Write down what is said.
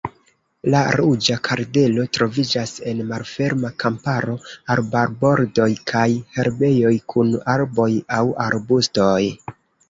La Ruĝa kardelo troviĝas en malferma kamparo, arbarbordoj kaj herbejoj kun arboj aŭ arbustoj.